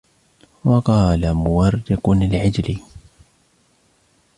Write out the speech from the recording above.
وَقَالَ مُوَرِّقٌ الْعِجْلِيُّ